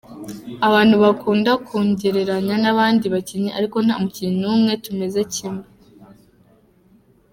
Abantu bakunda nkungereranya n’abandi bakinnyi ariko nta mukinnyi n’umwe tumeze kimwe.